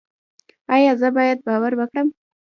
ایا زه باید باور وکړم؟